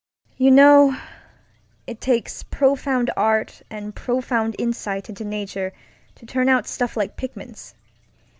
You know, it takes profound art and profound insight into nature to turn out stuff like Pickman's.